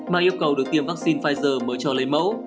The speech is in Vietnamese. mà yêu cầu được tiêm vaccine pfizer mới cho lấy mẫu